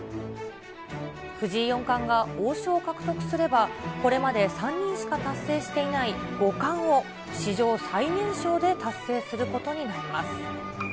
藤井四冠が王将を獲得すれば、これまで３人しか達成していない五冠を、史上最年少で達成することになります。